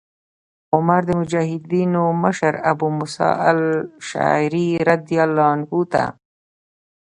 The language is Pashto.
عمر د مجاهدینو مشر ابو موسی الأشعري رضي الله عنه ته